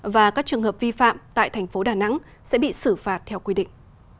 và các trường hợp vi phạm tại tp đà nẵng sẽ bị xử phạt theo quy định